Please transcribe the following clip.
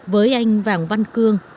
với bà văn cương